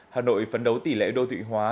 hà nội phấn đấu tỷ lệ đô thị hóa